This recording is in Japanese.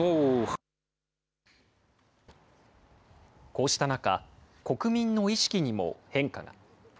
こうした中、国民の意識にも変化が。